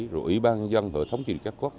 rồi ủy ban dân hội thống trị các quốc